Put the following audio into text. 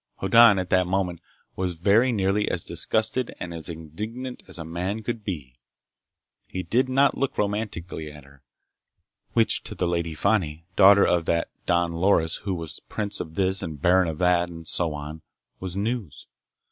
Hoddan, at that moment, was very nearly as disgusted and as indignant as a man could be. He did not look romantically at her—which to the Lady Fani, daughter of that Don Loris who was prince of this and baron of that and so on, was news.